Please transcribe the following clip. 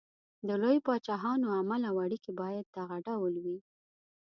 د لویو پاچاهانو عمل او اړېکې باید دغه ډول وي.